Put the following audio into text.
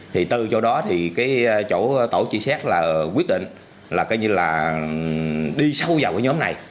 thì từ chỗ đó thì chỗ tổ truy xét quyết định là đi sâu vào nhóm này